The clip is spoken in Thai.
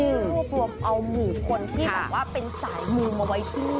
มีรูปรวมเอามูลคนที่เป็นสายมูลมาไว้ที่